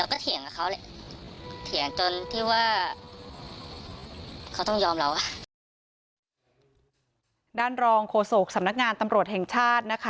เราก็เถียงกับเขาเลยเถียงจนที่ว่าเขาต้องยอมเราด้านรองโฆษกสำนักงานตำรวจแห่งชาตินะคะ